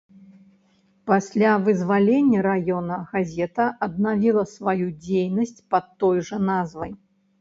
Пасля вызвалення раёна газета аднавіла сваю дзейнасць пад той жа назвай.